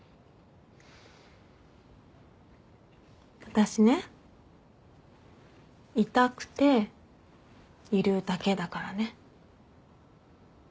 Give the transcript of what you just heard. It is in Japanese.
私ねいたくているだけだからね。